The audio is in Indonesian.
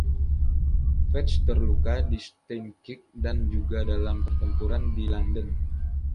Vetch terluka di Steinkirk dan juga dalam pertempuran di Landen.